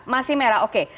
masih merah oke